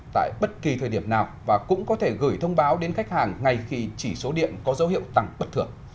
tại bất kỳ thời điểm nào và cũng có thể gửi thông báo đến khách hàng ngay khi chỉ số điện có dấu hiệu tăng bất thường